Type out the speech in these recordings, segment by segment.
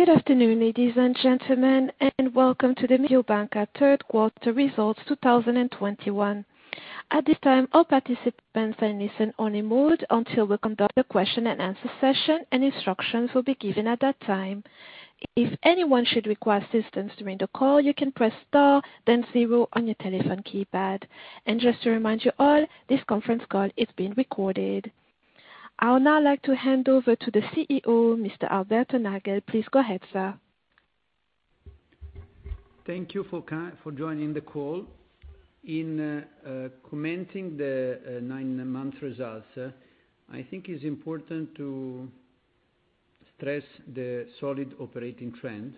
Good afternoon, ladies and gentlemen, welcome to the Mediobanca third quarter results 2021. At this time, all participants are in listen-only mode until we conduct a question and answer session. Instructions will be given at that time. If anyone should require assistance during the call, you can press star then zero on your telephone keypad. Just to remind you all, this conference call is being recorded. I would now like to hand over to the CEO, Mr. Alberto Nagel. Please go ahead, sir. Thank you for joining the call. In commenting the nine-month results, I think it's important to stress the solid operating trend,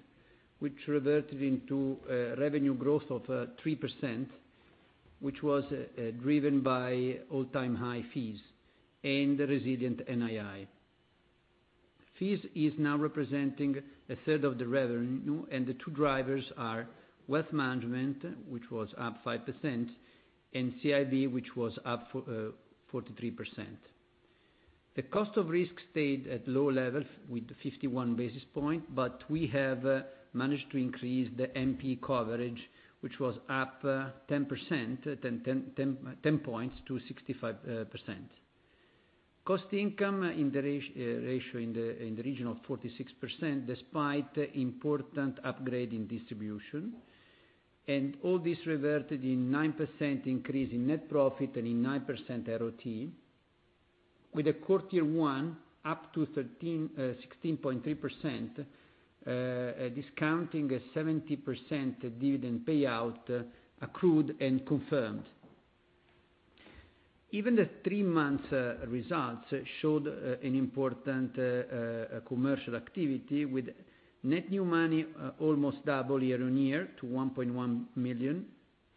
which reverted into revenue growth of 3%, which was driven by all-time high fees and the resilient NII. Fees is now representing a third of the revenue. The two drivers are wealth management, which was up 5%, and CIB, which was up 43%. The cost of risk stayed at low levels with 51 basis points, but we have managed to increase the NP coverage, which was up 10 points to 65%. Cost income in the region of 46%, despite important upgrade in distribution. All this reverted in 9% increase in net profit and in 9% ROT, with a quarter one up to 16.3%, discounting 70% dividend payout accrued and confirmed. Even the three-month results showed an important commercial activity with net new money almost double year-on-year to 1.1 billion.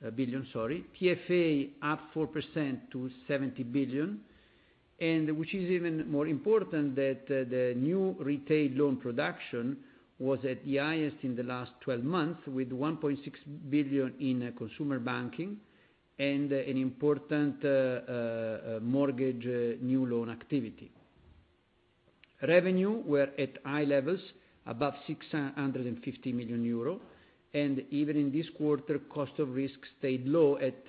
PFA up 4% to 70 billion. Which is even more important that the new retail loan production was at the highest in the last 12 months, with 1.6 billion in consumer banking and an important mortgage new loan activity. Revenue were at high levels, above 650 million euro. Even in this quarter, cost of risk stayed low at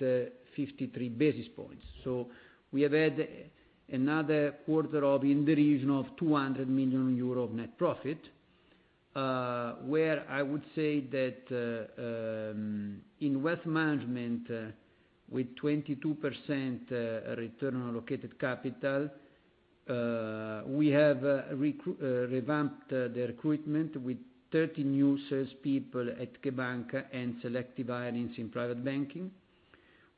53 basis points. We have had another quarter in the region of 200 million euro of net profit, where I would say that, in wealth management, with 22% return on allocated capital, we have revamped the recruitment with 30 new salespeople at CheBanca! and selective hirings in private banking.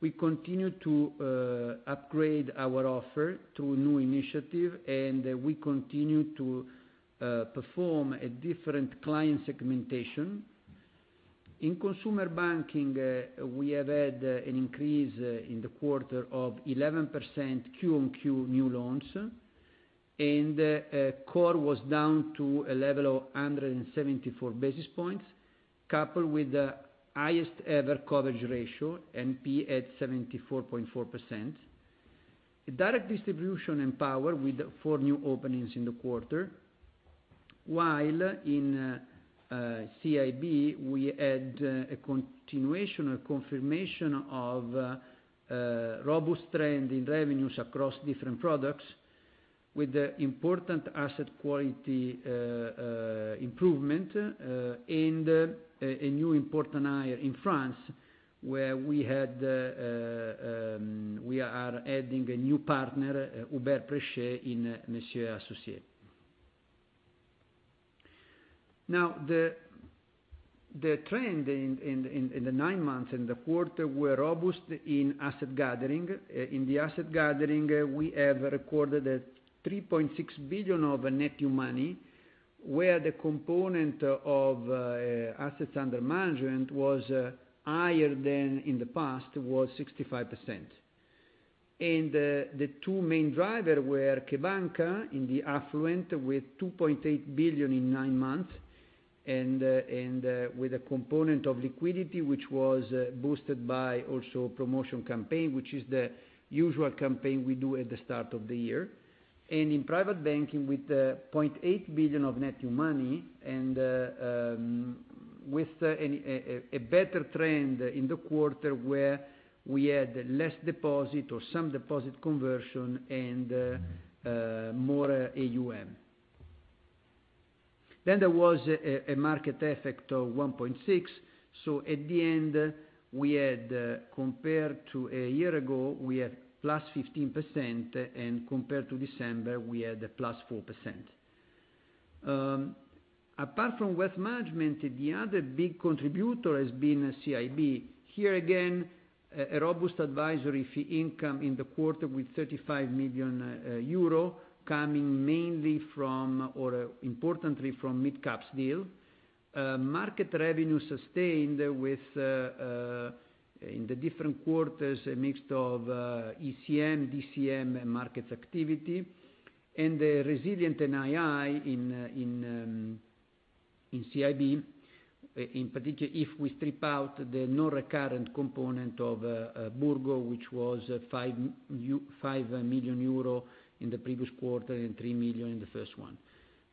We continue to upgrade our offer through new initiative. We continue to perform a different client segmentation. In consumer banking, we have had an increase in the quarter of 11% Q-on-Q new loans. Core was down to a level of 174 basis points, coupled with the highest ever coverage ratio, NP at 74.4%. Direct distribution empowered with four new openings in the quarter, while in CIB, we had a continuation, a confirmation of robust trend in revenues across different products with the important asset quality improvement, and a new important hire in France where we are adding a new partner, Hubert Preschez in Messier & Associés. The trend in the nine months in the quarter were robust in asset gathering. In the asset gathering, we have recorded 3.6 billion of net new money, where the component of assets under management was higher than in the past, was 65%. The two main driver were CheBanca! in the affluent with 2.8 billion in nine months. With a component of liquidity, which was boosted by also promotion campaign, which is the usual campaign we do at the start of the year. In private banking with 0.8 billion of net new money, and with a better trend in the quarter where we had less deposit or some deposit conversion and more AUM. There was a market effect of 1.6 billion. At the end, compared to a year ago, we had +15%, and compared to December, we had a +4%. Apart from wealth management, the other big contributor has been CIB. Here again, a robust advisory fee income in the quarter with 35 million euro coming mainly from, or importantly from mid-caps deal. Market revenue sustained in the different quarters, a mix of ECM, DCM markets activity, and the resilient NII in CIB. In particular, if we strip out the non-recurrent component of Burgo, which was 5 million euro in the previous quarter and 3 million in the first one.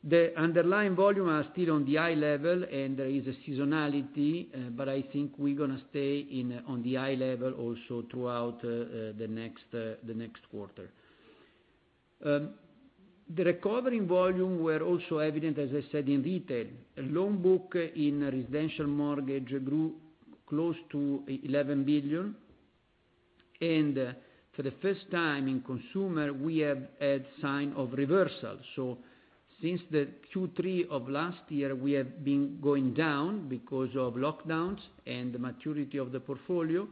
The underlying volume are still on the high level. There is a seasonality, I think we're going to stay on the high level also throughout the next quarter. The recovery volume were also evident, as I said, in retail. Loan book in residential mortgage grew close to 11 billion. For the first time in consumer, we have had sign of reversal. Since the Q3 of last year, we have been going down because of lockdowns and the maturity of the portfolio,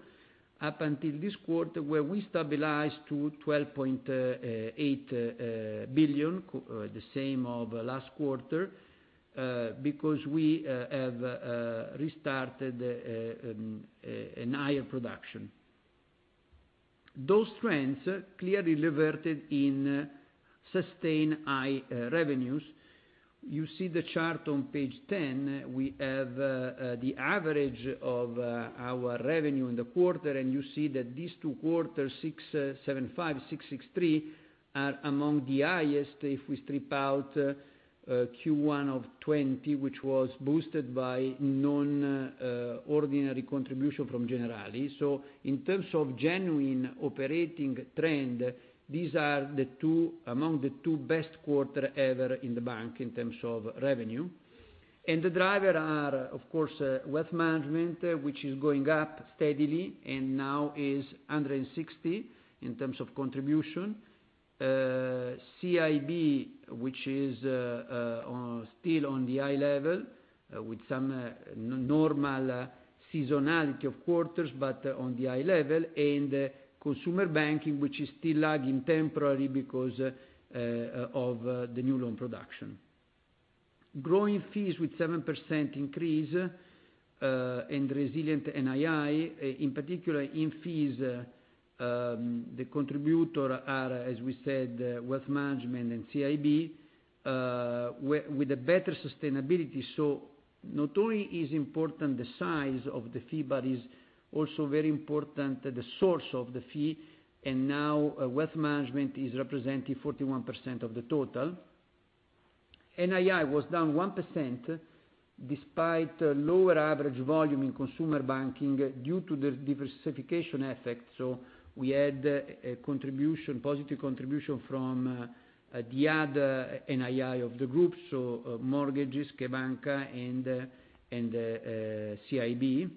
up until this quarter, where we stabilized to 12.8 billion, the same of last quarter, because we have restarted a higher production. Those trends clearly reverted in sustained high revenues. You see the chart on page 10. We have the average of our revenue in the quarter, and you see that these two quarters, 675 million, 663 million, are among the highest if we strip out Q1 of 2020, which was boosted by non-ordinary contribution from Generali. In terms of genuine operating trend, these are among the two best quarter ever in the bank in terms of revenue. The driver are, of course, wealth management, which is going up steadily and now is 160 million in terms of contribution. CIB, which is still on the high level with some normal seasonality of quarters, on the high level. Consumer banking, which is still lagging temporarily because of the new loan production. Growing fees with 7% increase. Resilient NII, in particular in fees, the contributor are, as we said, wealth management and CIB, with a better sustainability. Not only is important the size of the fee, but is also very important the source of the fee. Now wealth management is representing 41% of the total. NII was down -1% despite lower average volume in consumer banking due to the diversification effect. We had a positive contribution from the other NII of the group, so mortgages, CheBanca! and CIB,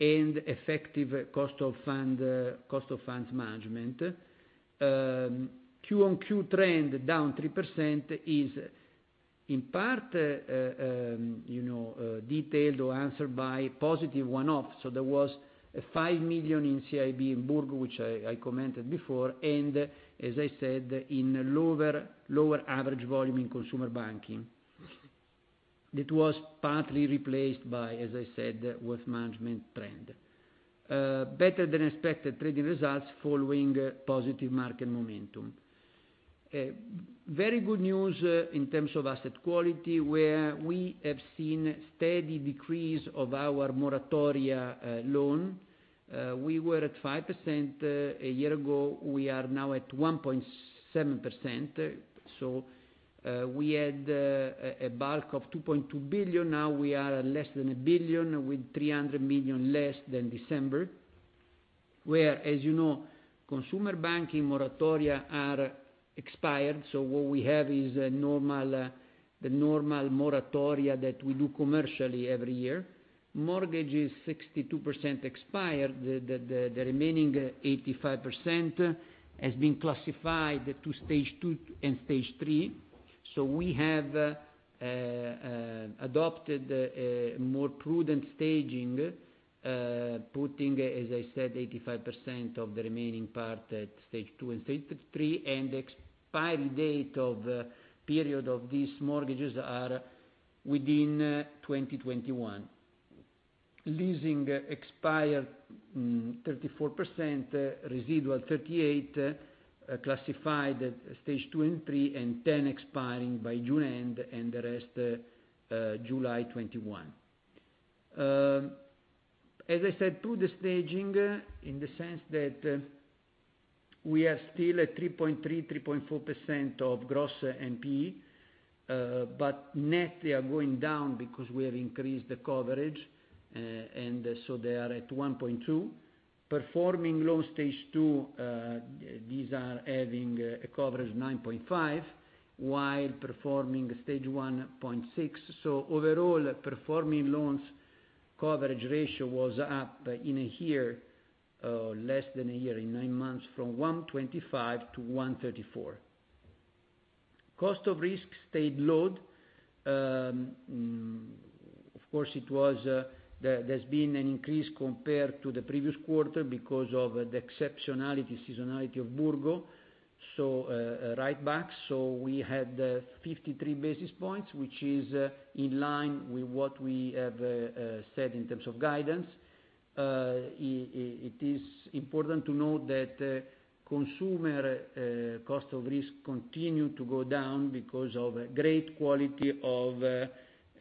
and effective cost of funds management. Q-on-Q trend -3% is in part detailed or answered by positive one-off. There was 5 million in CIB in Burgo, which I commented before, in lower average volume in consumer banking. That was partly replaced by wealth management trend. Better-than-expected trading results following positive market momentum. Very good news in terms of asset quality, where we have seen steady decrease of our moratoria loan. We were at 5% a year ago. We are now at 1.7%. We had a bulk of 2.2 billion. Now we are at less than 1 billion with 300 million less than December, where consumer banking moratoria are expired. What we have is the normal moratoria that we do commercially every year. Mortgage is 62% expired. The remaining 85% has been classified to Stage 2 and Stage 3. We have adopted a more prudent staging, putting 85% of the remaining part at Stage 2 and Stage 3, and the expiry date of period of these mortgages are within 2021. Leasing expired 34%, residual 38, classified Stage 2 and Stage 3, and 10 expiring by June end, and the rest July 2021. Prudent staging in the sense that we are still at 3.3%, 3.4% of gross NPE, but net they are going down because we have increased the coverage, they are at 1.2%. Performing loan Stage 2, these are having a coverage 9.5%, while performing Stage 1, 0.6%. Overall, performing loans coverage ratio was up in a year, less than a year, in nine months, from 125% to 134%. Cost of risk stayed low. Of course, there's been an increase compared to the previous quarter because of the exceptionality, seasonality of Burgo. Write-backs. We had 53 basis points, which is in line with what we have said in terms of guidance. It is important to note that consumer cost of risk continued to go down because of great quality of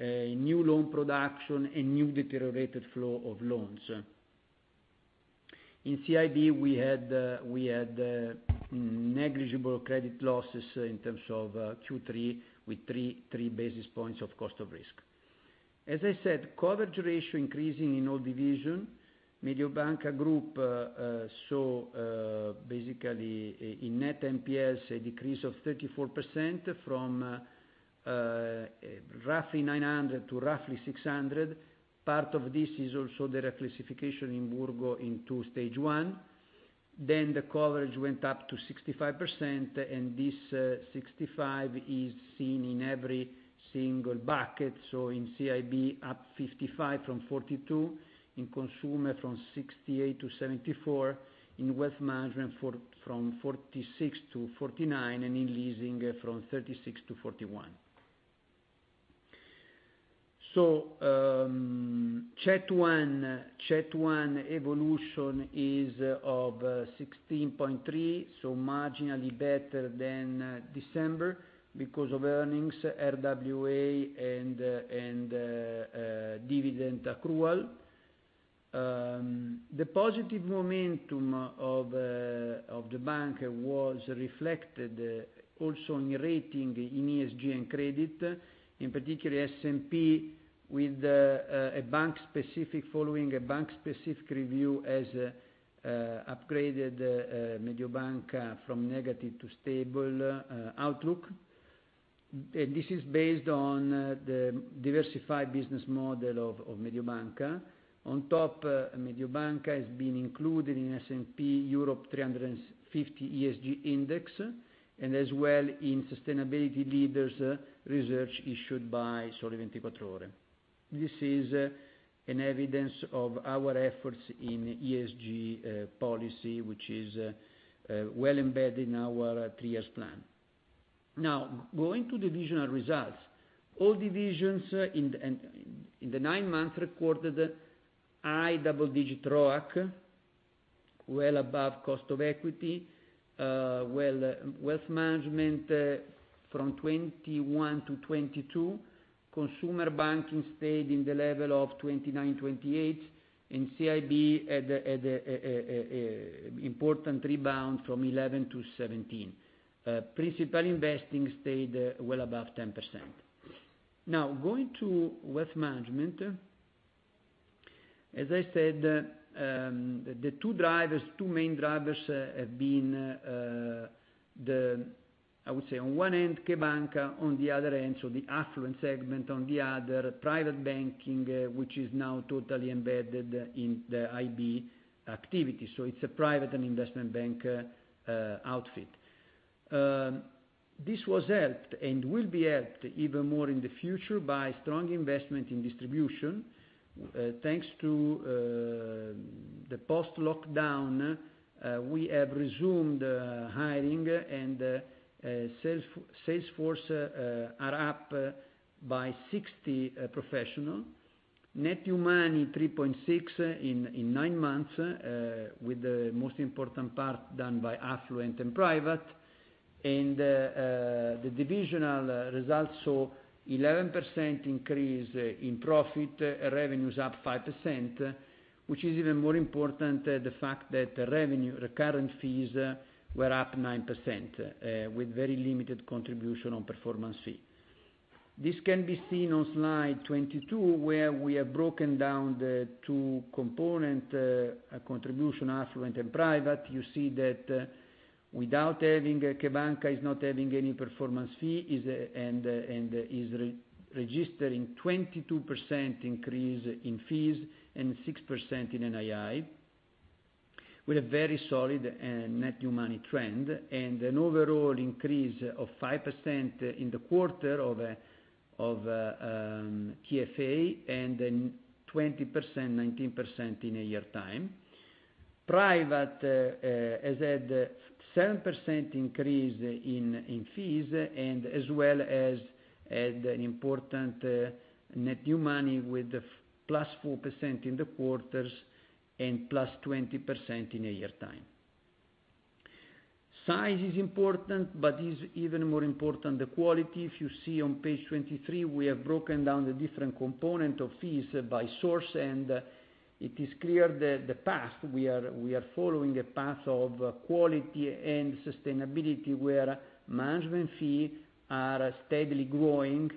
new loan production and new deteriorated flow of loans. In CIB, we had negligible credit losses in terms of Q3, with three basis points of cost of risk. Coverage ratio increasing in all division. Mediobanca Group saw basically in net NPLs, a decrease of 34% from roughly 900 million to roughly 600 million. Part of this is also the reclassification in Burgo into Stage 1. The coverage went up to 65%, and this 65% is seen in every single bucket. In CIB, up 55% from 42%. In consumer, from 68% to 74%. In wealth management, from 46% to 49%. In leasing, from 36% to 41%. CET1 evolution is of 16.3%, marginally better than December because of earnings, RWA, and dividend accrual. The positive momentum of the bank was reflected also in rating in ESG and credit, in particular S&P, following a bank-specific review, has upgraded Mediobanca from negative to stable outlook. This is based on the diversified business model of Mediobanca. On top, Mediobanca has been included in S&P Europe 350 ESG Index and as well in Sustainability Leaders Research issued by Il Sole 24 Ore. This is an evidence of our efforts in ESG policy, which is well embedded in our three-year plan. Going to divisional results. All divisions in the nine months recorded high double-digit ROAC, well above cost of equity. Wealth management from 21% to 22%. Consumer banking stayed in the level of 29, 28. CIB had important rebound from 11 to 17. Principal investing stayed well above 10%. Going to wealth management, as I said, the two main drivers have been, I would say, on one end, CheBanca!, on the other end, so the affluent segment, on the other, private banking, which is now totally embedded in the IB activity. So it's a private and investment bank outfit. This was helped and will be helped even more in the future by strong investment in distribution. Thanks to the post-lockdown, we have resumed hiring and sales force are up by 60 professionals. Net new money 3.6 in nine months, with the most important part done by affluent and private. The divisional results saw 11% increase in profit, revenues up 5%, which is even more important, the fact that revenue, recurring fees, were up 9%, with very limited contribution on performance fee. This can be seen on slide 22, where we have broken down the two components contribution, affluent and private. You see that CheBanca! is not having any performance fee, and is registering 22% increase in fees and 6% in NII, with a very solid net new money trend and an overall increase of 5% in the quarter of TFA and then 20%, 19% in a year time. Private has had 7% increase in fees and as well as had an important net new money with the +4% in the quarters and +20% in a year time. Size is important, but is even more important, the quality. If you see on page 23, we have broken down the different components of fees by source, it is clear the path we are following, a path of quality and sustainability, where management fees are steadily growing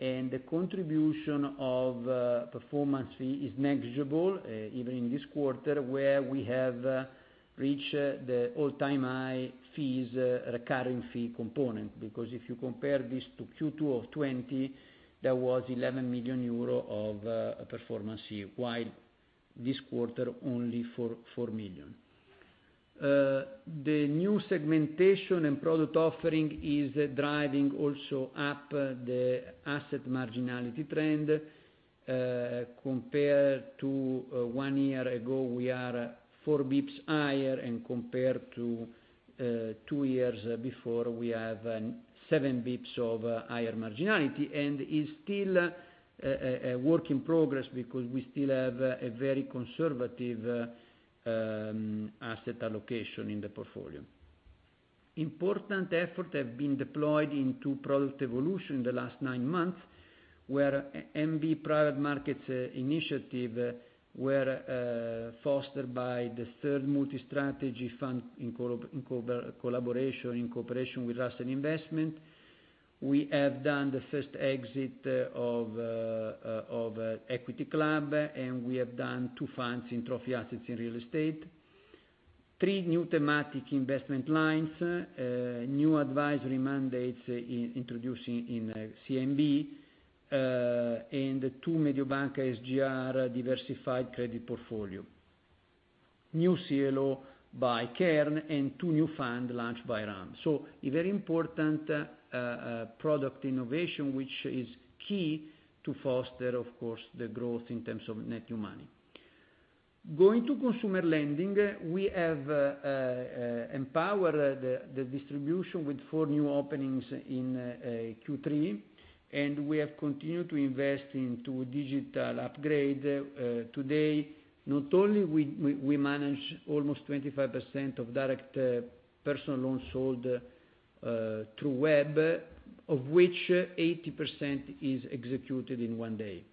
and the contribution of performance fee is negligible, even in this quarter, where we have reached the all-time high fees, recurring fee component. Because if you compare this to Q2 of 2020, there was 11 million euro of performance fee, while this quarter, only 4 million. The new segmentation and product offering is driving also up the asset marginality trend. Compared to one year ago, we are 4 bips higher and compared to 2 years before, we have 7 bips of higher marginality. It's still a work in progress because we still have a very conservative asset allocation in the portfolio. Important efforts have been deployed into product evolution in the last nine months, where Mediobanca Private Markets initiative were fostered by the third multi-strategy fund in cooperation with Russell Investments. We have done the first exit of The Equity Club, we have done two funds in trophy assets in real estate. Three new thematic investment lines, new advisory mandates introduced in CMB, and two Mediobanca SGR diversified credit portfolios. New CLO by Cairn and two new funds launched by RAM. A very important product innovation, which is key to foster, of course, the growth in terms of net new money. Going to consumer lending, we have empowered the distribution with 4 new openings in Q3, we have continued to invest into digital upgrade. Today, not only we manage almost 25% of direct personal loans sold through web, of which 80% is executed in one day.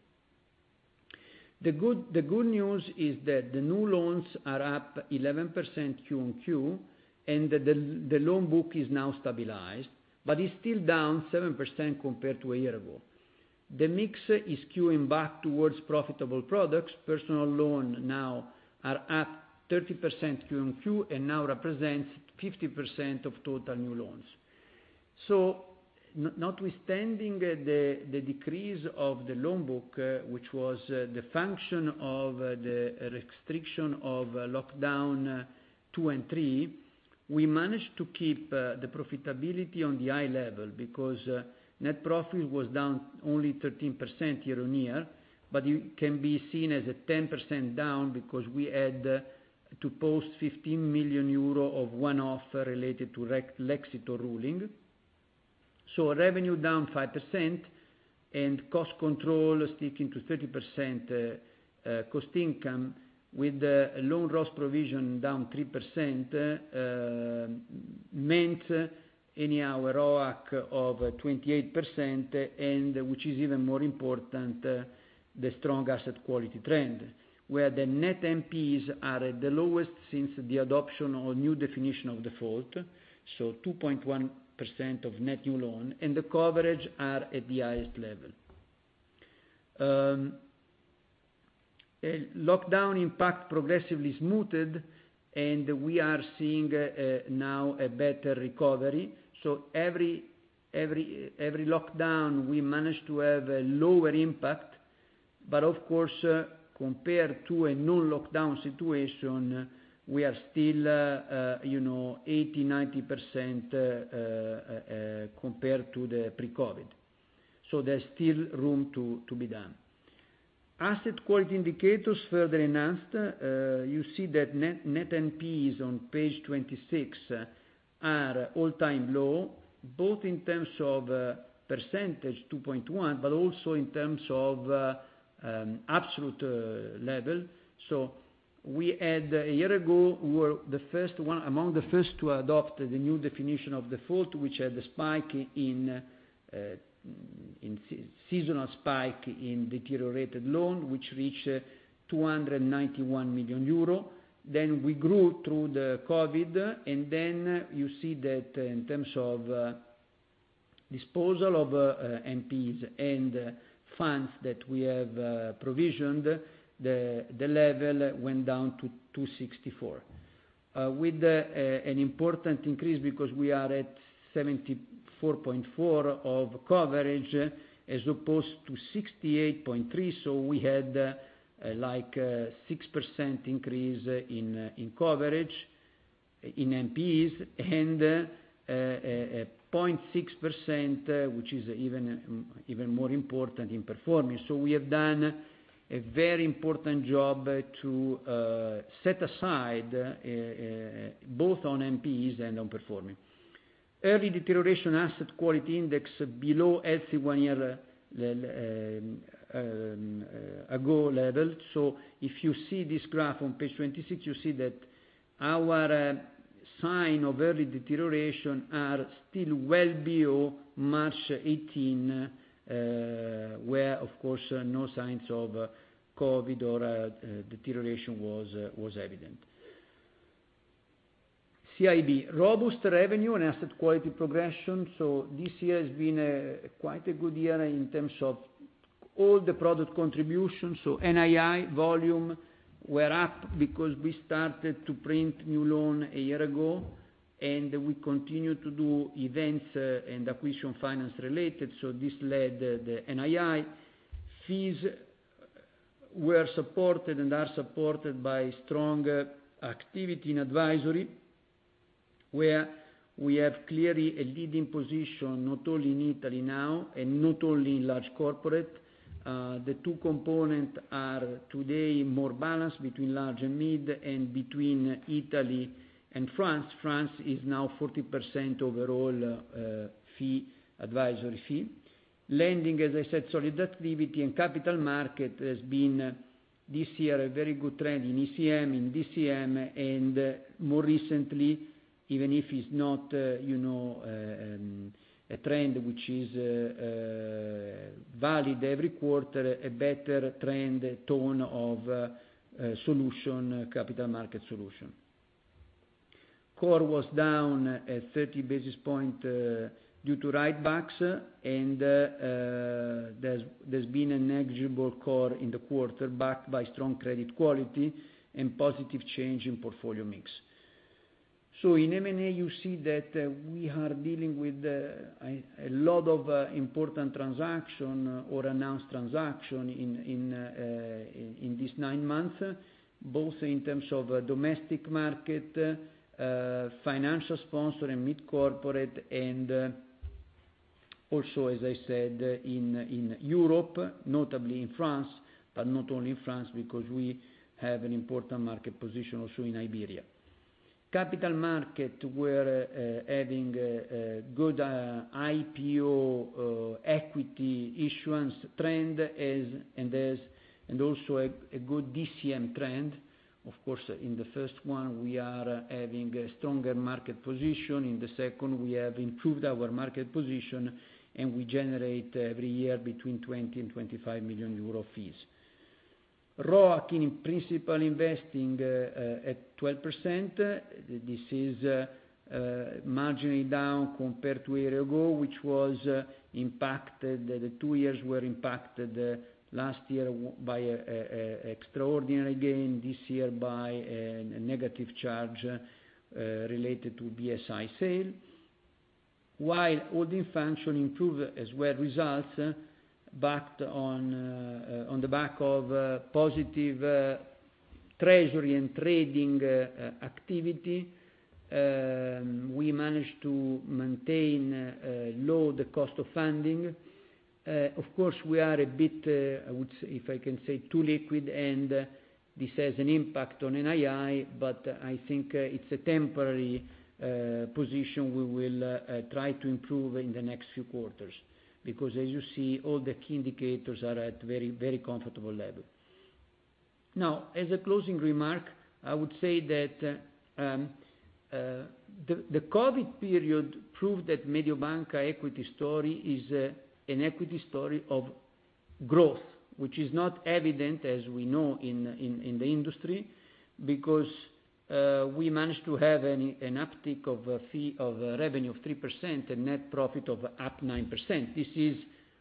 The good news is that the new loans are up 11% Q-on-Q, and the loan book is now stabilized, but is still down 7% compared to a year ago. The mix is skewing back towards profitable products. Personal loan now are up 30% Q-on-Q and now represents 50% of total new loans. Notwithstanding the decrease of the loan book, which was the function of the restriction of lockdown two and three, we managed to keep the profitability on the high level, because net profit was down only 13% year-on-year, but it can be seen as a 10% down because we had to post 15 million euro of one-off related to Lexitor ruling. Revenue down 5% and cost control sticking to 30% cost income with the loan loss provision down 3% meant in our ROAC of 28% and which is even more important, the strong asset quality trend, where the net NPEs are at the lowest since the adoption of new definition of default, so 2.1% of net new loan, and the coverage are at the highest level. Lockdown impact progressively smoothed, and we are seeing now a better recovery. Every lockdown, we managed to have a lower impact, but of course, compared to a no lockdown situation, we are still 80%-90% compared to the pre-COVID. There's still room to be done. Asset quality indicators further enhanced. You see that net NPEs on page 26 are all-time low, both in terms of percentage, 2.1%, but also in terms of absolute level. We had, a year ago, we were among the first to adopt the new definition of default, which had a seasonal spike in deteriorated loan, which reached 291 million euro. Then we grew through the COVID, and then you see that in terms of disposal of NPEs and funds that we have provisioned, the level went down to 264 million. With an important increase because we are at 74.4% of coverage as opposed to 68.3%, so we had 6% increase in coverage in NPEs and 0.6%, which is even more important in performing. We have done a very important job to set aside both on NPEs and on performing. Early deterioration asset quality index below FC one year ago level. If you see this graph on page 26, you see that our sign of early deterioration are still well below March 2018, where, of course, no signs of COVID or deterioration was evident. CIB. Robust revenue and asset quality progression. This year has been quite a good year in terms of all the product contributions. NII volume were up because we started to print new loan a year ago, and we continued to do events and acquisition finance related, so this led the NII. Fees were supported and are supported by strong activity in advisory, where we have clearly a leading position, not only in Italy now, and not only in large corporate. The two component are today more balanced between large and mid, and between Italy and France. France is now 40% overall advisory fee. Lending, as I said, solidarity and capital market has been, this year, a very good trend in ECM, in DCM, and more recently, even if it's not a trend which is valid every quarter, a better trend tone of capital market solution. Core was down at 30 basis points due to write-backs. There's been a negligible core in the quarter backed by strong credit quality and positive change in portfolio mix. In M&A, you see that we are dealing with a lot of important transaction or announced transaction in this nine months, both in terms of domestic market, financial sponsor, and mid-corporate, and also, as I said, in Europe, notably in France, but not only France, because we have an important market position also in Iberia. Capital market, we're having a good IPO equity issuance trend and also a good DCM trend. In the first one we are having a stronger market position. In the second, we have improved our market position and we generate, every year, between 20 million and 25 million euro fees. ROA, keeping principal investing at 12%. This is marginally down compared to a year ago, which the two years were impacted, last year by extraordinary gain, this year by a negative charge related to BSI sale. Holding function improved as well results on the back of positive treasury and trading activity. We managed to maintain low the cost of funding. We are a bit, if I can say, too liquid, and this has an impact on NII. I think it's a temporary position we will try to improve in the next few quarters, because as you see, all the key indicators are at very comfortable level. As a closing remark, I would say that the COVID period proved that Mediobanca equity story is an equity story of growth, which is not evident as we know in the industry, because we managed to have an uptick of revenue of 30%, a net profit of up 9%. This is,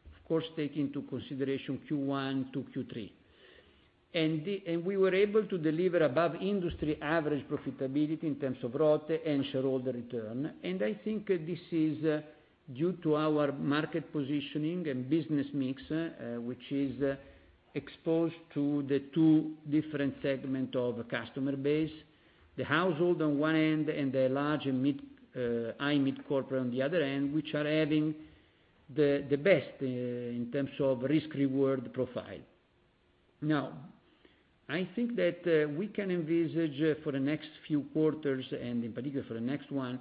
of course, take into consideration Q1 to Q3. We were able to deliver above industry average profitability in terms of ROTE and shareholder return. I think this is due to our market positioning and business mix, which is exposed to the two different segment of customer base, the household on one end, and the large and high mid-corporate on the other end, which are having the best in terms of risk-reward profile. I think that we can envisage, for the next few quarters, and in particular for the next one,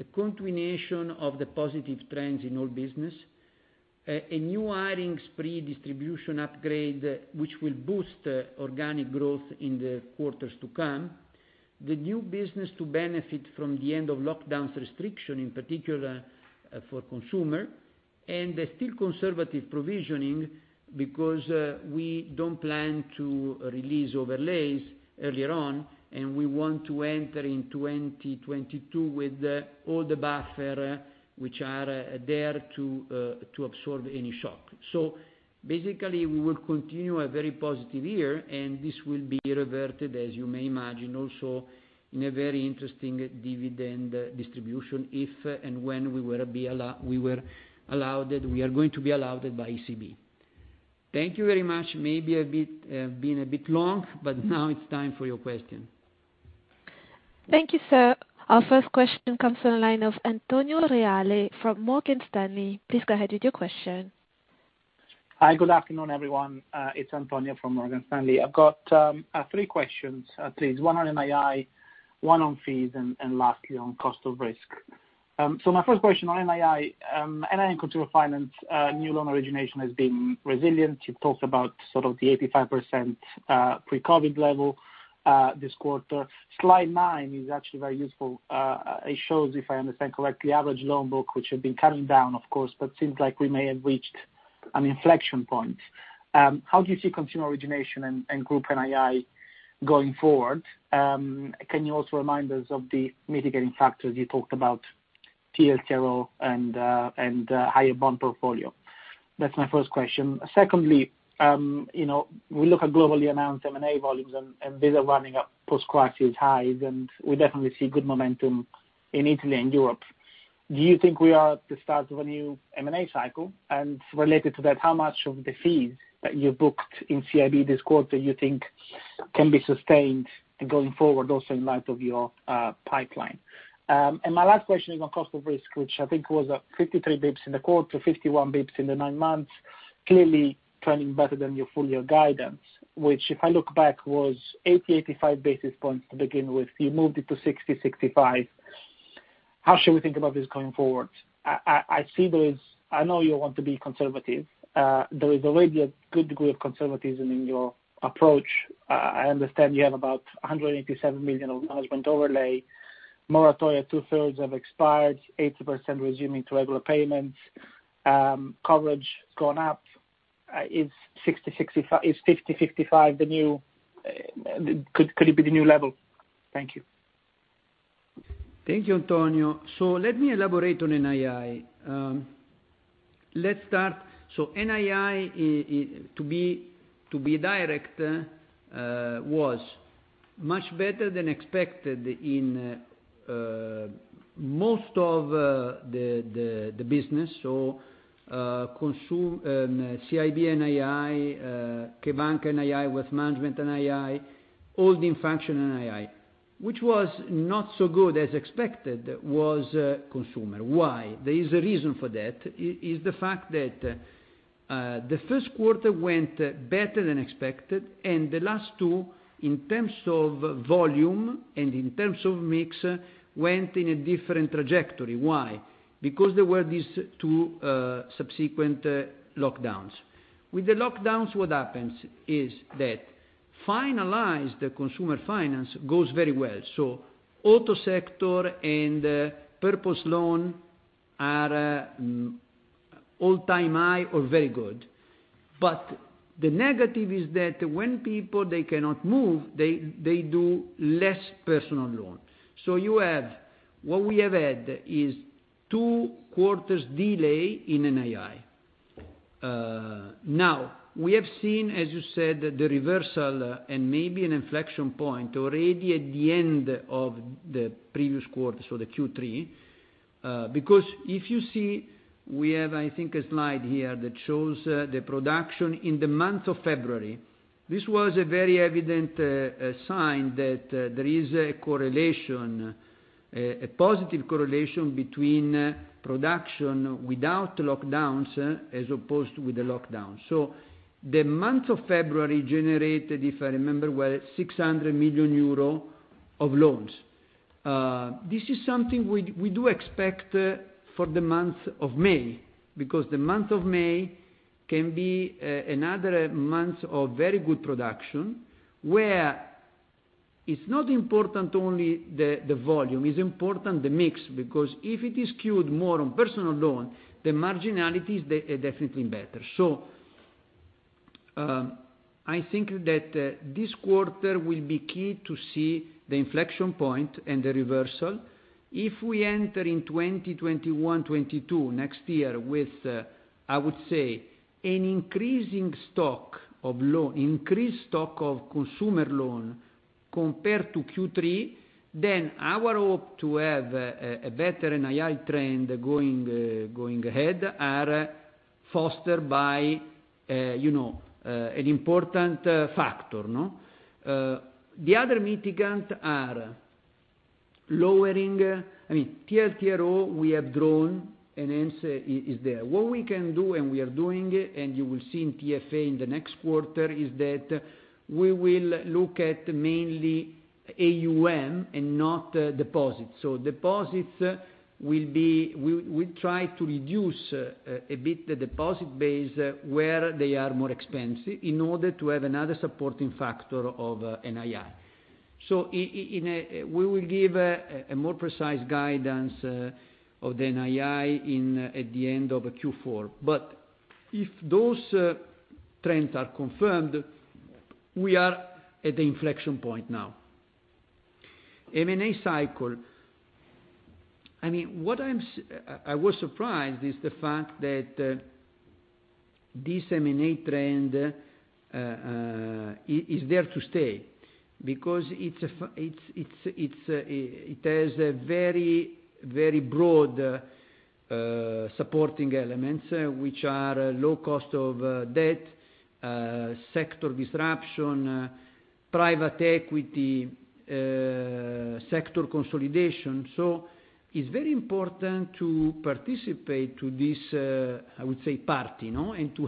a continuation of the positive trends in all business. A new earnings pre-distribution upgrade, which will boost organic growth in the quarters to come. The new business to benefit from the end of lockdowns restriction, in particular for consumer, and a still conservative provisioning, because we don't plan to release overlays earlier on, and we want to enter in 2022 with all the buffer, which are there to absorb any shock. We will continue a very positive year, and this will be reverted, as you may imagine, also in a very interesting dividend distribution, if and when we are going to be allowed by ECB. Thank you very much. Maybe it's been a bit long. Now it's time for your question. Thank you, sir. Our first question comes from the line of Antonio Reale from Morgan Stanley. Please go ahead with your question. Hi. Good afternoon, everyone. It's Antonio from Morgan Stanley. I've got three questions, please. One on NII, one on fees, and lastly on cost of risk. My first question on NII consumer finance, new loan origination has been resilient. You talked about sort of the 85% pre-COVID level this quarter. Slide nine is actually very useful. It shows, if I understand correctly, average loan book, which had been cutting down, of course, but seems like we may have reached an inflection point. How do you see consumer origination and group NII going forward? Can you also remind us of the mitigating factors you talked about TLTRO and higher bond portfolio? That's my first question. Secondly, we look at globally announced M&A volumes and these are running up post-crisis highs, and we definitely see good momentum in Italy and Europe. Do you think we are at the start of a new M&A cycle? Related to that, how much of the fees that you booked in CIB this quarter you think can be sustained going forward, also in light of your pipeline? My last question is on cost of risk, which I think was at 53 basis points in the quarter, 51 basis points in the nine months. Clearly trending better than your full year guidance, which if I look back, was 80, 85 basis points to begin with. You moved it to 60, 65. How should we think about this going forward? I know you want to be conservative. There is already a good degree of conservatism in your approach. I understand you have about 187 million of management overlay, moratoria two-thirds have expired, 80% resuming to regular payments. Coverage has gone up. Is 50, 55, could it be the new level? Thank you. Thank you, Antonio. Let me elaborate on NII. NII, to be direct, was much better than expected in most of the business. CIB NII, CheBanca! NII, wealth management NII, holding function NII. Which was not so good as expected was consumer. Why? There is a reason for that, is the fact that the first quarter went better than expected, and the last two, in terms of volume and in terms of mix, went in a different trajectory. Why? Because there were these two subsequent lockdowns. With the lockdowns, what happens is that finalized consumer finance goes very well. Auto sector and purpose loan are all-time high or very good. But the negative is that when people, they cannot move, they do less personal loan. What we have had is two quarters delay in NII. We have seen, as you said, the reversal and maybe an inflection point already at the end of the previous quarter, the Q3. If you see, we have, I think, a slide here that shows the production in the month of February. This was a very evident sign that there is a positive correlation between production without lockdowns as opposed with the lockdown. The month of February generated, if I remember well, 600 million euro of loans. This is something we do expect for the month of May, because the month of May can be another month of very good production, where it's not important only the volume, it's important the mix. If it is skewed more on personal loan, the marginalities are definitely better. I think that this quarter will be key to see the inflection point and the reversal. If we enter in 2021, 2022, next year, with, I would say, an increased stock of consumer loan compared to Q3, then our hope to have a better NII trend going ahead are fostered by an important factor. The other mitigant are lowering TLTRO, we have drawn, and hence is there. What we can do, and we are doing, and you will see in TFA in the next quarter, is that we will look at mainly AUM and not deposits. Deposits, we try to reduce a bit the deposit base where they are more expensive in order to have another supporting factor of NII. We will give a more precise guidance of the NII at the end of Q4. If those trends are confirmed, we are at the inflection point now. M&A cycle. I was surprised is the fact that this M&A trend is there to stay, because it has very broad supporting elements, which are low cost of debt, sector disruption, private equity, sector consolidation. It's very important to participate to this, I would say, party. To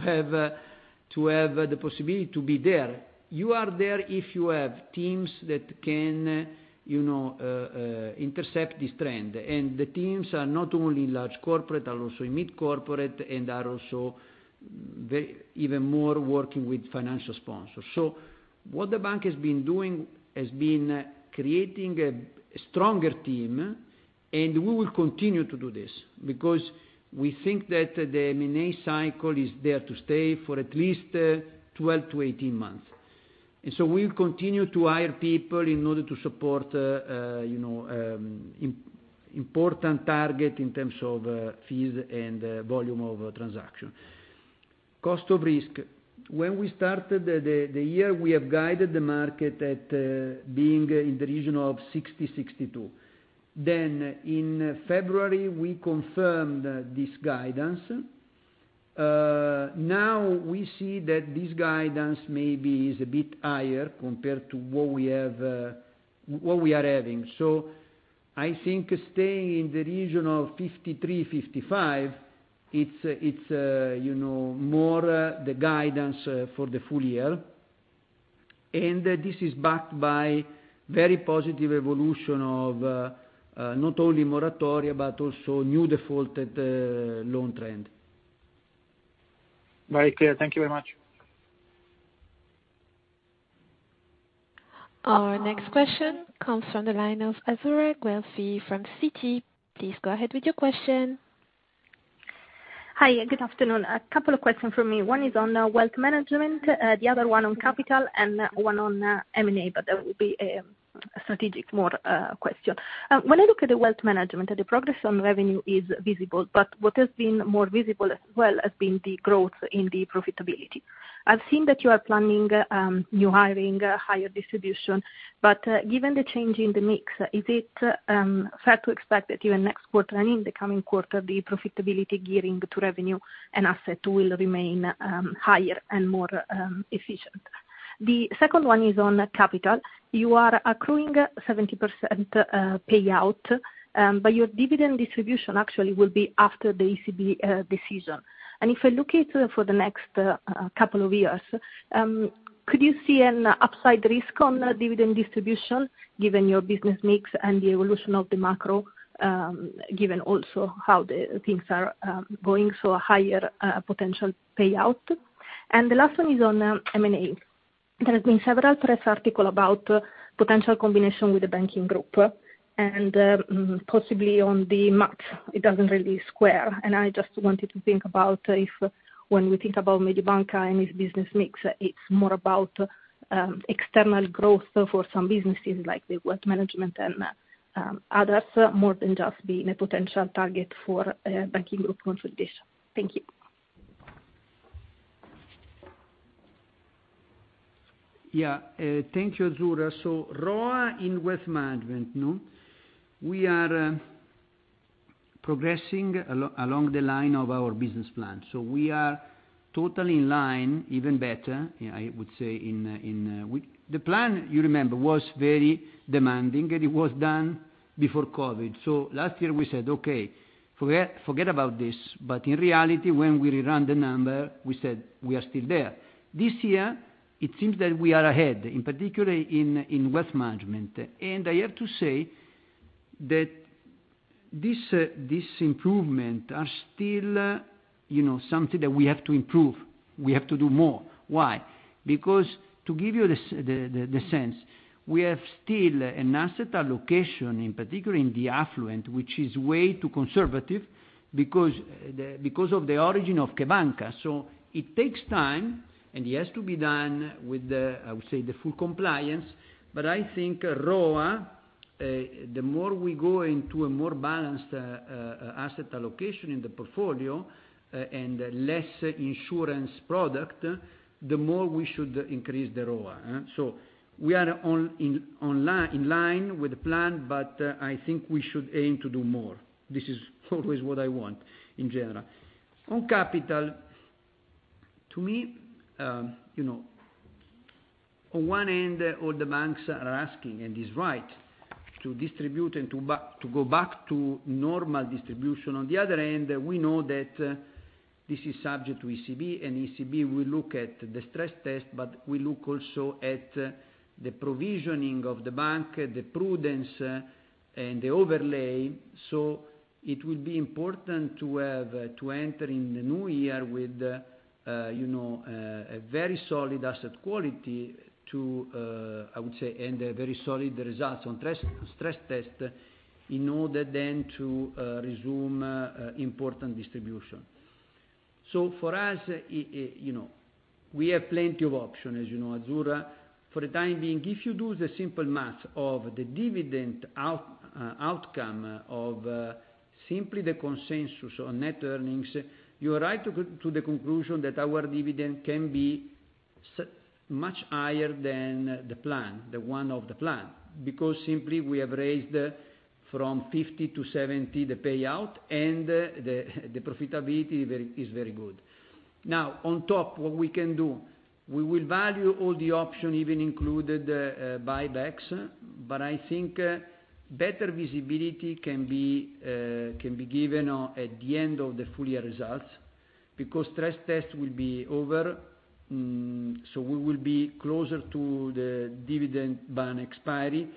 have the possibility to be there. You are there if you have teams that can intercept this trend. The teams are not only large corporate, are also mid corporate, and are also even more working with financial sponsors. What the bank has been doing has been creating a stronger team, and we will continue to do this, because we think that the M&A cycle is there to stay for at least 12-18 months. We'll continue to hire people in order to support important target in terms of fees and volume of transaction. Cost of risk. When we started the year, we have guided the market at being in the region of 60, 62. In February, we confirmed this guidance. We see that this guidance maybe is a bit higher compared to what we are having. I think staying in the region of 53, 55, it's more the guidance for the full year. This is backed by very positive evolution of not only moratoria, but also new defaulted loan trend. Very clear. Thank you very much. Our next question comes from the line of Azzurra Guelfi from Citi. Please go ahead with your question. Hi. Good afternoon. A couple of questions from me. One is on wealth management, the other one on capital, and one on M&A, but that will be a strategic more question. When I look at the wealth management, the progress on revenue is visible, but what has been more visible as well has been the growth in the profitability. I've seen that you are planning new hiring, higher distribution. Given the change in the mix, is it fair to expect that even next quarter and in the coming quarter, the profitability gearing to revenue and asset will remain higher and more efficient? The second one is on capital. You are accruing 70% payout, your dividend distribution actually will be after the ECB decision. If I look at for the next couple of years, could you see an upside risk on dividend distribution given your business mix and the evolution of the macro, given also how the things are going, so a higher potential payout? The last one is on M&A. There has been several press article about potential combination with the banking group, and possibly on the math, it doesn't really square. I just wanted to think about if, when we think about Mediobanca and its business mix, it's more about external growth for some businesses like the wealth management and others, more than just being a potential target for a banking group consolidation. Thank you. Yeah. Thank you, Azzurra. ROAC in wealth management, we are progressing along the line of our business plan. We are totally in line, even better, I would say. The plan, you remember, was very demanding, and it was done before COVID. Last year we said, "Okay, forget about this." In reality, when we rerun the number, we said we are still there. This year, it seems that we are ahead, in particular in wealth management. I have to say that these improvements are still something that we have to improve. We have to do more. Why? Because to give you the sense, we have still an asset allocation, in particular in the affluent, which is way too conservative because of the origin of CheBanca!. It takes time, and it has to be done with the, I would say, the full compliance. I think ROAC, the more we go into a more balanced asset allocation in the portfolio and less insurance product, the more we should increase the ROAC. We are in line with the plan, but I think we should aim to do more. This is always what I want, in general. On capital, to me, on one end, all the banks are asking, and it's right, to distribute and to go back to normal distribution. On the other end, we know that this is subject to ECB, and ECB will look at the stress test, but will look also at the provisioning of the bank, the prudence, and the overlay. It will be important to enter in the new year with a very solid asset quality to, I would say, and a very solid result on stress test in order then to resume important distribution. For us, we have plenty of options, as you know, Azzurra. For the time being, if you do the simple math of the dividend outcome of simply the consensus on net earnings, you arrive to the conclusion that our dividend can be much higher than the plan, the one of the plan. Simply we have raised from 50 to 70 the payout, and the profitability is very good. Now, on top, what we can do, we will value all the options, even included buybacks. I think better visibility can be given at the end of the full year results because stress test will be over, we will be closer to the dividend ban expiry.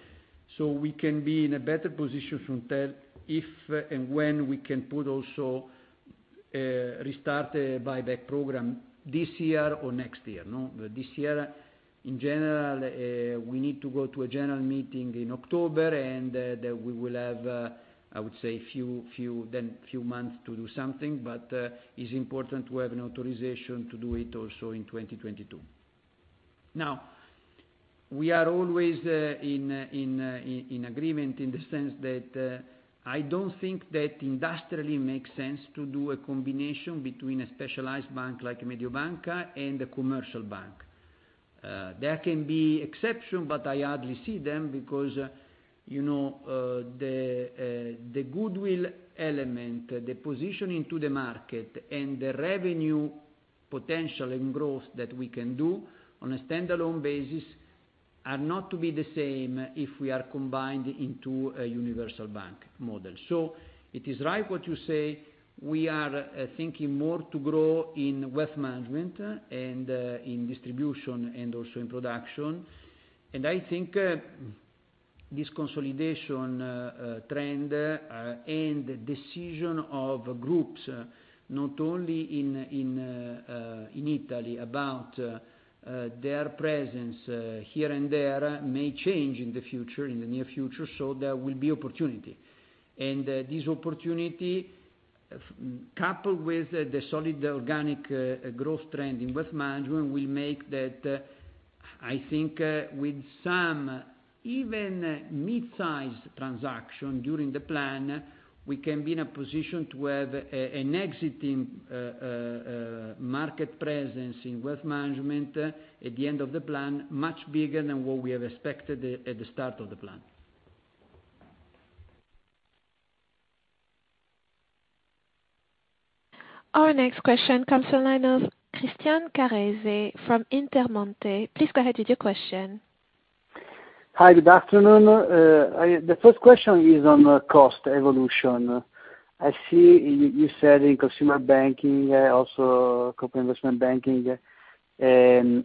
We can be in a better position to tell if and when we can put also restart buyback program this year or next year. This year, in general, we need to go to a general meeting in October, and we will have, I would say, few months to do something. It's important to have an authorization to do it also in 2022. We are always in agreement in the sense that I don't think that industrially makes sense to do a combination between a specialized bank like Mediobanca and a commercial bank. There can be exception, but I hardly see them because the goodwill element, the positioning to the market, and the revenue potential and growth that we can do on a standalone basis are not to be the same if we are combined into a universal bank model. It is right what you say. We are thinking more to grow in wealth management and in distribution, and also in production. I think this consolidation trend, and the decision of groups, not only in Italy, about their presence here and there may change in the near future, so there will be opportunity. This opportunity, coupled with the solid organic growth trend in wealth management, will make that, I think with some even mid-size transaction during the plan, we can be in a position to have an existing market presence in wealth management at the end of the plan, much bigger than what we have expected at the start of the plan. Our next question comes from the line of Christian Carrese from Intermonte. Please go ahead with your question. Hi, good afternoon. The first question is on cost evolution. I see you said in consumer banking, also corporate investment banking,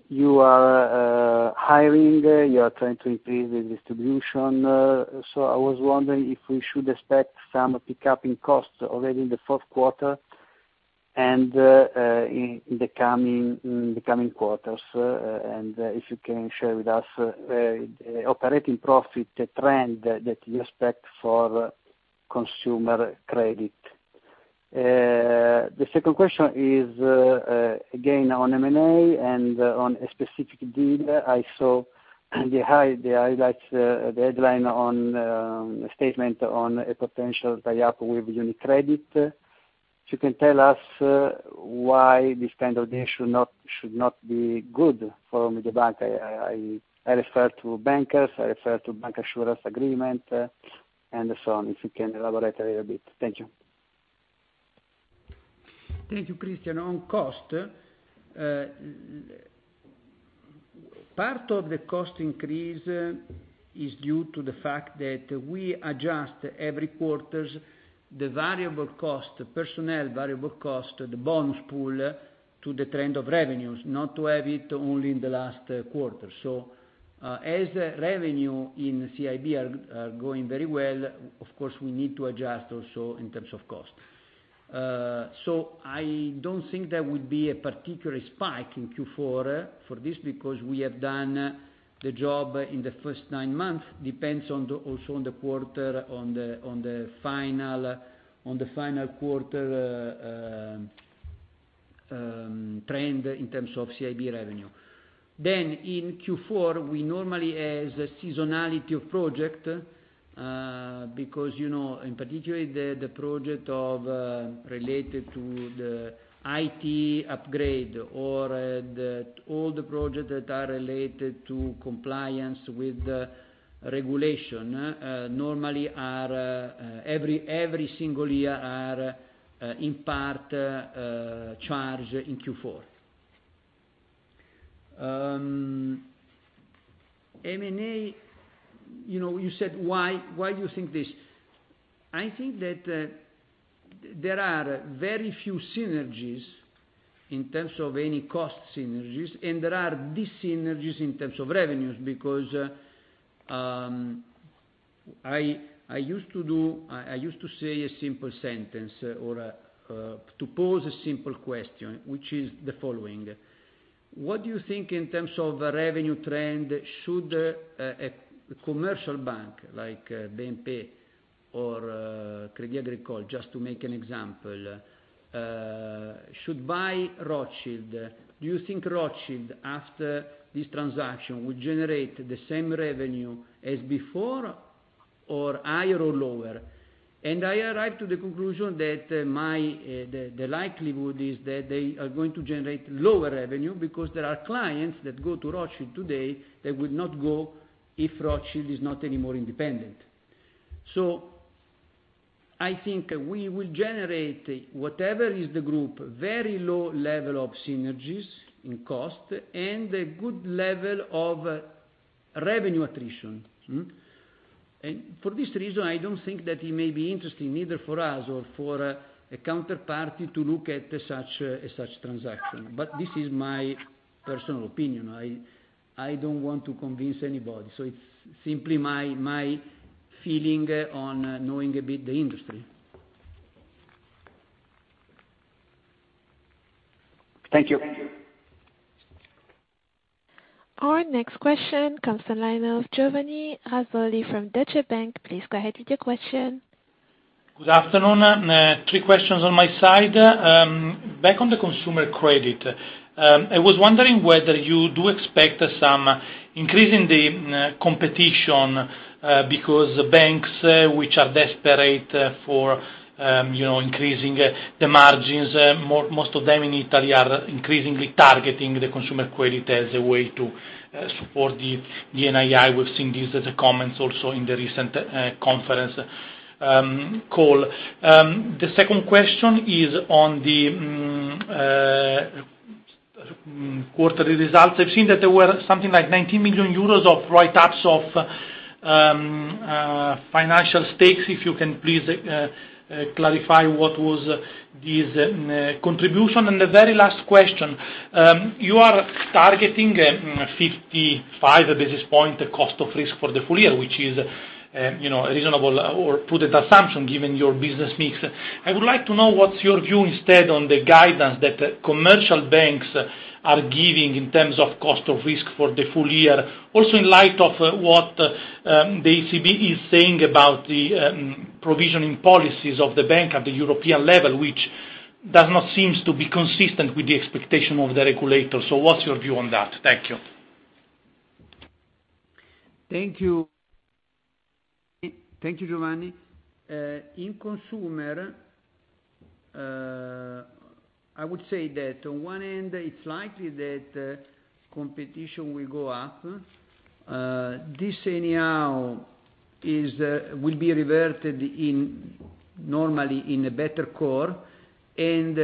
you are hiring, you are trying to increase the distribution. I was wondering if we should expect some pickup in costs already in the fourth quarter and in the coming quarters. If you can share with us operating profit trend that you expect for consumer credit. The second question is, again, on M&A and on a specific deal. I saw the highlights, the headline on statement on a potential tie-up with UniCredit. If you can tell us why this kind of deal should not be good for Mediobanca. I refer to bankers, I refer to bank assurance agreement, and so on. If you can elaborate a little bit. Thank you. Thank you, Christian. On cost, part of the cost increase is due to the fact that we adjust every quarter the variable cost, the personnel variable cost, the bonus pool, to the trend of revenues, not to have it only in the last quarter. As revenue in CIB are going very well, of course, we need to adjust also in terms of cost. I don't think there would be a particular spike in Q4 for this, because we have done the job in the first nine months. Depends also on the final quarter trend in terms of CIB revenue. In Q4, we normally, as a seasonality of projects, because in particular, the projects related to the IT upgrade, or all the projects that are related to compliance with regulation, normally every single year are in part charged in Q4. M&A, you said, why do you think this? I think that there are very few synergies in terms of any cost synergies, and there are dyssynergies in terms of revenues, because I used to say a simple sentence, or to pose a simple question, which is the following. What do you think in terms of revenue trend should a commercial bank, like BNP or Crédit Agricole, just to make an example, should buy Rothschild? Do you think Rothschild, after this transaction, would generate the same revenue as before, or higher or lower? I arrived to the conclusion that the likelihood is that they are going to generate lower revenue, because there are clients that go to Rothschild today that would not go if Rothschild is not anymore independent. I think we will generate, whatever is the group, very low level of synergies in cost and a good level of revenue attrition. For this reason, I don't think that it may be interesting either for us or for a counterparty to look at such transaction. This is my personal opinion. I don't want to convince anybody. It's simply my feeling on knowing a bit the industry. Thank you. Our next question comes from the line of Giovanni Razzoli from Deutsche Bank. Please go ahead with your question. Good afternoon. Three questions on my side, back on the consumer credit. I was wondering whether you do expect some increase in the competition, because banks, which are desperate for increasing the margins, most of them in Italy are increasingly targeting the consumer credit as a way to support the NII. We've seen these as comments also in the recent conference call. The second question is on the quarterly results. I've seen that there were something like 19 million euros of write-ups of financial stakes. If you can please clarify what was this contribution. The very last question, you are targeting 55 basis point cost of risk for the full year, which is a reasonable, or prudent assumption given your business mix. I would like to know what's your view instead on the guidance that commercial banks are giving in terms of cost of risk for the full year. Also in light of what the ECB is saying about the provisioning policies of the bank at the European level, which does not seem to be consistent with the expectation of the regulators. What's your view on that? Thank you. Thank you, Giovanni. In consumer, I would say that on one end, it's likely that competition will go up. This anyhow will be reverted normally in a better core, and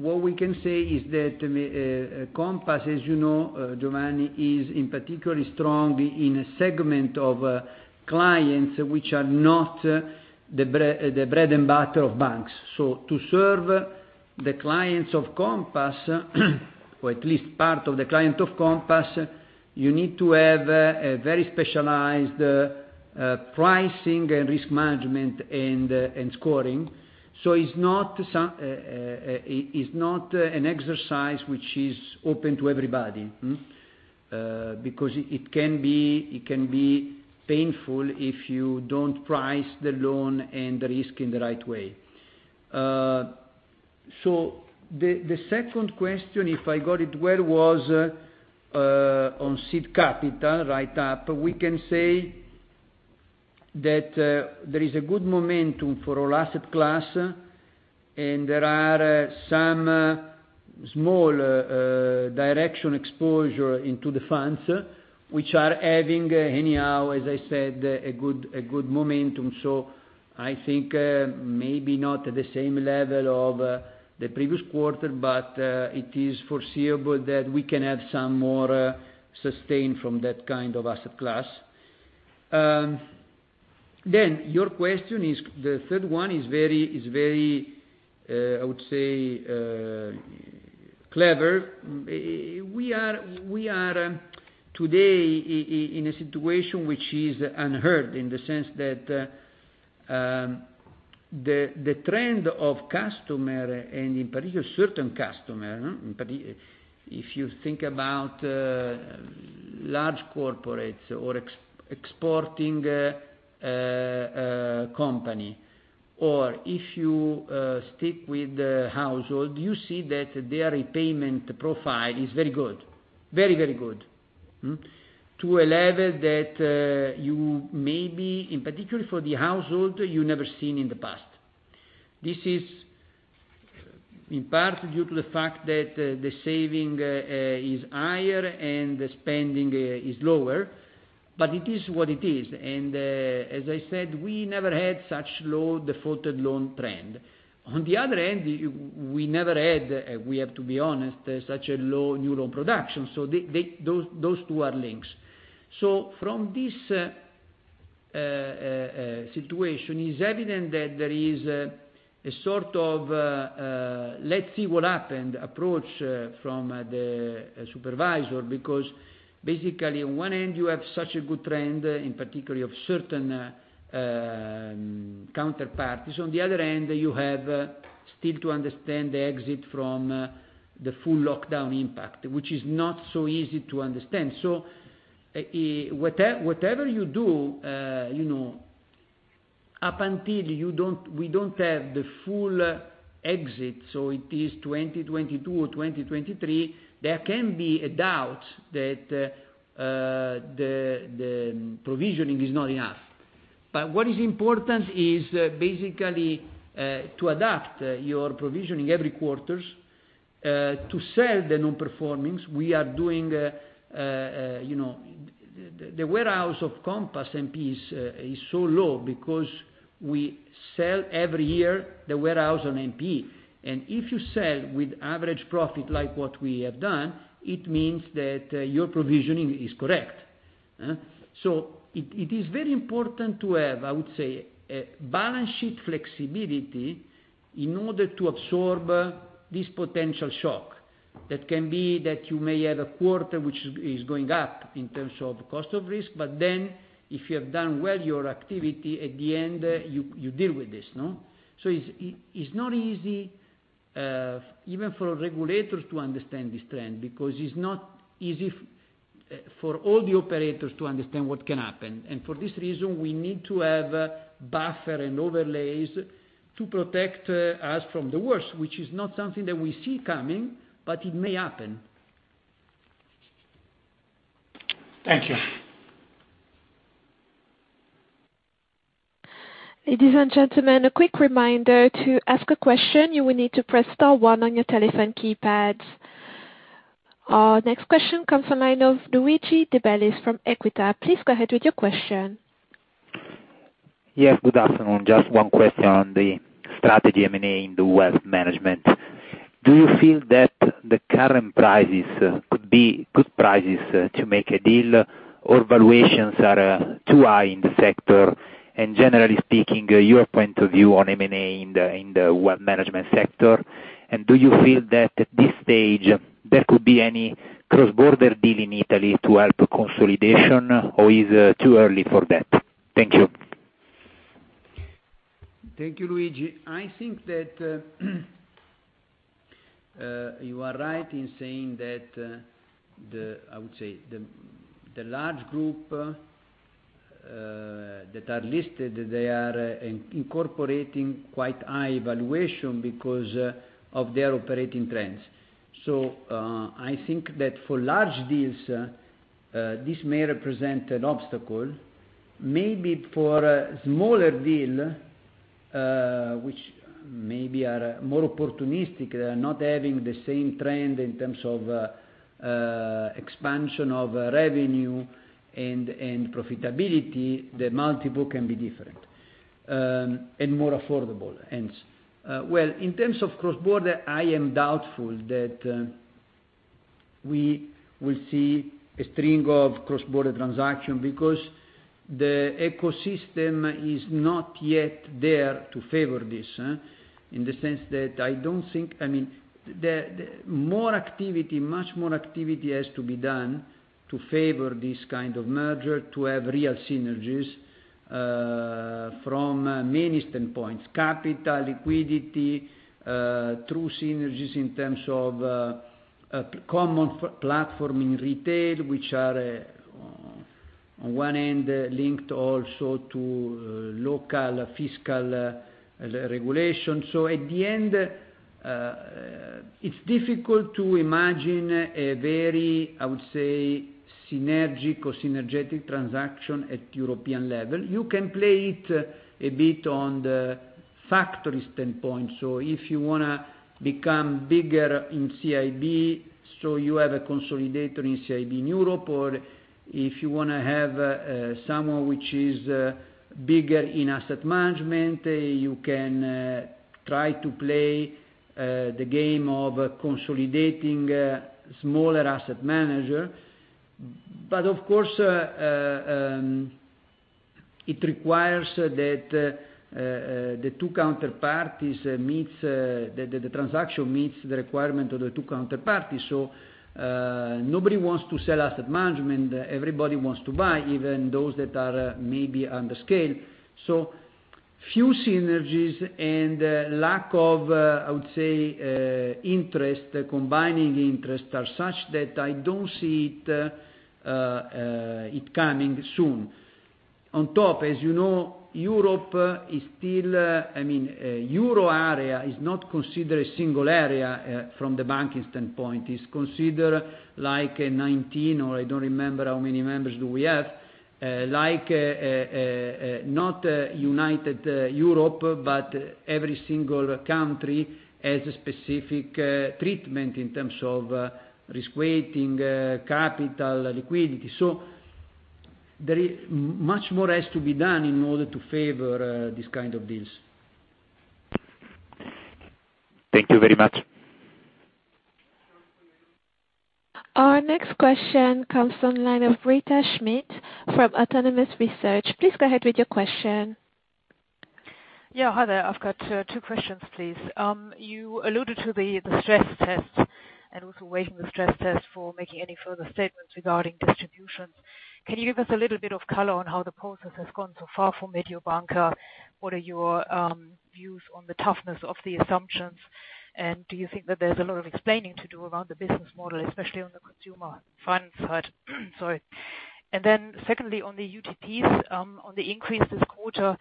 what we can say is that Compass, as you know, Giovanni, is in particular strong in a segment of clients which are not the bread and butter of banks. To serve the clients of Compass, or at least part of the clients of Compass, you need to have a very specialized pricing and risk management and scoring. It's not an exercise which is open to everybody. Because it can be painful if you don't price the loan and the risk in the right way. The second question, if I got it well, was on seed capital write-up. We can say that there is a good momentum for all asset class, and there are some small direction exposure into the funds, which are having, anyhow, as I said, a good momentum. I think maybe not at the same level of the previous quarter, but it is foreseeable that we can have some more sustain from that kind of asset class. Your question, the third one is very, I would say, clever. We are today in a situation which is unheard, in the sense that the trend of customer, and in particular certain customer. If you think about large corporates or exporting company, or if you stick with household, you see that their repayment profile is very good. Very, very good. To a level that you maybe, in particular for the household, you never seen in the past. This is in part due to the fact that the saving is higher and the spending is lower, it is what it is. As I said, we never had such low defaulted loan trend. On the other hand, we never had, we have to be honest, such a low new loan production. Those two are linked. From this situation, it's evident that there is a sort of let's see what happens approach from the supervisor, because basically on one end you have such a good trend, in particular of certain counterparties. On the other end, you have still to understand the exit from the full lockdown impact, which is not so easy to understand. Whatever you do, up until we don't have the full exit, so it is 2022 or 2023, there can be a doubt that the provisioning is not enough. What is important is basically to adapt your provisioning every quarters to sell the non-performings. The warehouse of Compass NPE is so low because we sell every year the warehouse on NPE. If you sell with average profit like what we have done, it means that your provisioning is correct. It is very important to have, I would say, balance sheet flexibility in order to absorb this potential shock. That can be that you may have a quarter which is going up in terms of cost of risk. If you have done well your activity, at the end, you deal with this, no? It's not easy Even for regulators to understand this trend, because it's not easy for all the operators to understand what can happen. For this reason, we need to have buffer and overlays to protect us from the worst, which is not something that we see coming, it may happen. Thank you. Ladies and gentlemen, a quick reminder. To ask a question, you will need to press star one on your telephone keypads. Our next question comes from line of Luigi De Bellis from Equita. Please go ahead with your question. Yes, good afternoon. Just one question on the strategy M&A in the wealth management. Do you feel that the current prices could be good prices to make a deal, or valuations are too high in the sector? Generally speaking, your point of view on M&A in the wealth management sector, and do you feel that at this stage there could be any cross-border deal in Italy to help consolidation, or is it too early for that? Thank you. Thank you, Luigi. I think that you are right in saying that, I would say, the large group that are listed, they are incorporating quite high valuation because of their operating trends. I think that for large deals, this may represent an obstacle. Maybe for a smaller deal, which maybe are more opportunistic, not having the same trend in terms of expansion of revenue and profitability, the multiple can be different and more affordable. In terms of cross-border, I am doubtful that we will see a string of cross-border transaction, because the ecosystem is not yet there to favor this. Much more activity has to be done to favor this kind of merger to have real synergies from many standpoints, capital, liquidity, true synergies in terms of common platform in retail, which are on one end linked also to local fiscal regulation. At the end, it's difficult to imagine a very, I would say, synergic or synergetic transaction at European level. You can play it a bit on the factory standpoint. If you want to become bigger in CIB, you have a consolidator in CIB in Europe, or if you want to have someone which is bigger in asset management, you can try to play the game of consolidating smaller asset manager. But of course, it requires that the transaction meets the requirement of the two counterparties. Nobody wants to sell asset management. Everybody wants to buy, even those that are maybe under scale. Few synergies and lack of, I would say, interest, combining interest, are such that I don't see it coming soon. As you know, Europe is still Euro area is not considered a single area from the banking standpoint. It's considered like a 19, or I don't remember how many members do we have. Not a united Europe, every single country has a specific treatment in terms of risk weighting, capital, liquidity. Much more has to be done in order to favor these kind of deals. Thank you very much. Our next question comes from line of Britta Schmidt from Autonomous Research. Please go ahead with your question. Yeah. Hi there. I've got two questions, please. You alluded to the stress test, waiting the stress test for making any further statements regarding distributions. Can you give us a little bit of color on how the process has gone so far for Mediobanca? What are your views on the toughness of the assumptions, do you think that there's a lot of explaining to do around the business model, especially on the consumer finance side? Sorry. Secondly, on the UTPs, on the increase this quarter,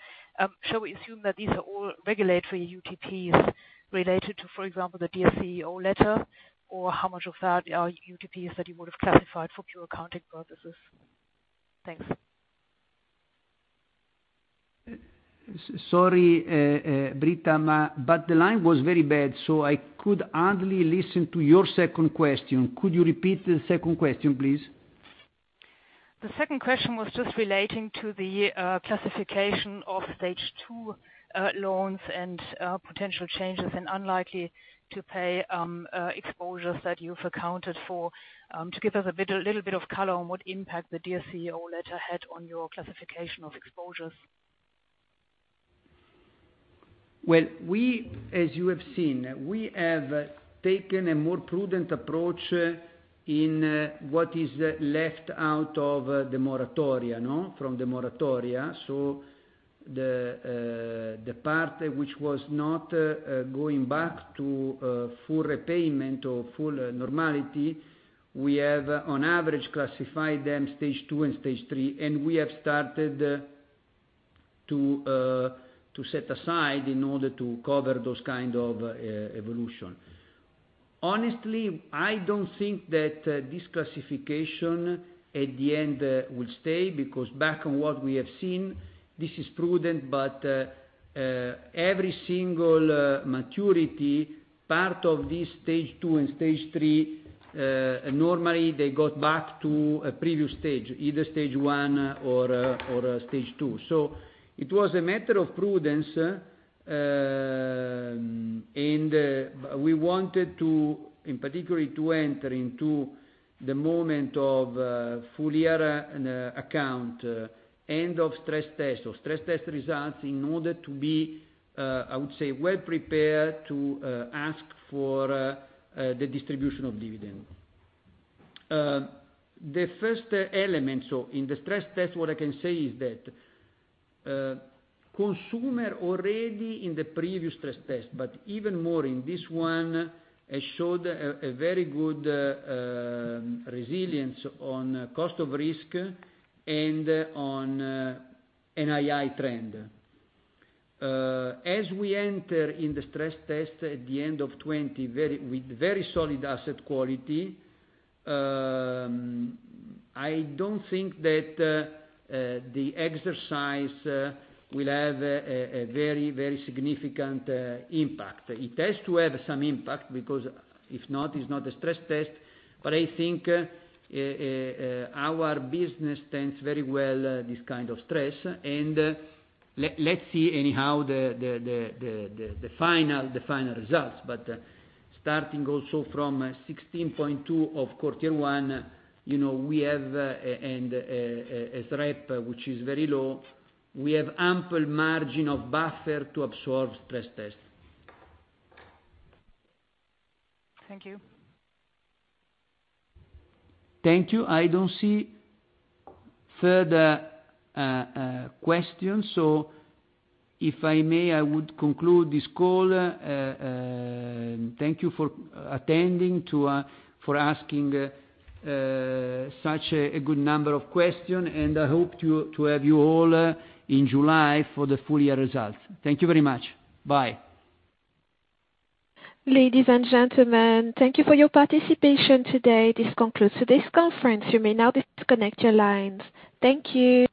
shall we assume that these are all regulatory UTPs related to, for example, the Dear CEO letter? Or how much of that are UTPs that you would have classified for pure accounting purposes? Thanks. Sorry, Britta, the line was very bad, I could hardly listen to your second question. Could you repeat the second question, please? The second question was just relating to the classification of Stage 2 loans and potential changes in unlikely-to-pay exposures that you've accounted for, to give us a little bit of color on what impact the Dear CEO letter had on your classification of exposures. Well, as you have seen, we have taken a more prudent approach in what is left out of the moratoria. From the moratoria. The part which was not going back to full repayment or full normality, we have, on average, classified them Stage 2 and Stage 3, we have started to set aside in order to cover those kind of evolution. Honestly, I don't think that this classification at the end will stay, because back on what we have seen, this is prudent, every single maturity part of this Stage 2 and Stage 3, normally they got back to a previous stage, either Stage 1 or Stage 2. It was a matter of prudence. We wanted to, in particular, to enter into the moment of full year account, end of stress test, or stress test results, in order to be, I would say, well prepared to ask for the distribution of dividend. The first element, in the stress test, what I can say is that consumer already in the previous stress test, but even more in this one, showed a very good resilience on cost of risk and on NII trend. As we enter in the stress test at the end of 2020 with very solid asset quality, I don't think that the exercise will have a very significant impact. It has to have some impact because if not, it's not a stress test, but I think our business stands very well this kind of stress. Let's see anyhow the final results. Starting also from 16.2 of quarter one, we have a SREP, which is very low. We have ample margin of buffer to absorb stress test. Thank you. Thank you. I don't see further questions. If I may, I would conclude this call. Thank you for attending, for asking such a good number of questions. I hope to have you all in July for the full year results. Thank you very much. Bye. Ladies and gentlemen, thank you for your participation today. This concludes today's conference. You may now disconnect your lines. Thank you.